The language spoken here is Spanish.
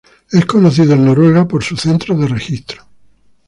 Es conocido en Noruega por su Centro de Registro.